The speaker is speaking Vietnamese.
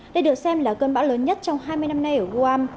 đây được xem là cơn bão lớn nhất trong hai mươi năm nay ở guam